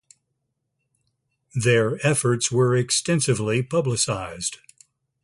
Their efforts were extensively publicized.